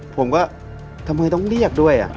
ผมก็ทำไมต้องเรียกด้วย